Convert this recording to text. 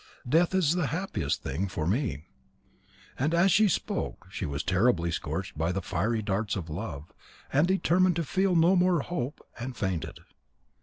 Death is the happiest thing for me." And as she spoke, she was terribly scorched by the fiery darts of love, and determined to feel no more hope, and fainted.